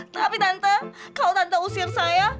tapi tante kau tante usir saya